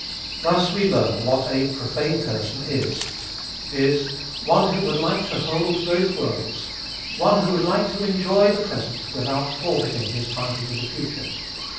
Thus we learn what a profane person is, viz. one who would like to hold both worlds; one who would like to enjoy the present, without forfeiting his title to the future.